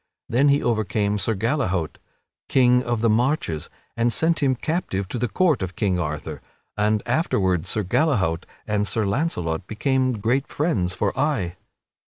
Then he overcame Sir Gallehaut, King of the Marches, and sent him captive to the court of King Arthur (and afterward Sir Gallehaut and Sir Launcelot became great friends for aye).